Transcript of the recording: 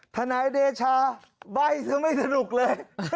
ทนายเดชาใบ้ซะไม่สนุกเลย